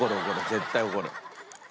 絶対怒る。